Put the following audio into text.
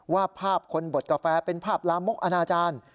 ว่าภาพคนบดกาแฟเป็นภาพลามกอนาจารย์